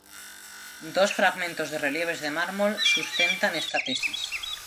Dos fragmentos de relieves de mármol sustentan esta tesis.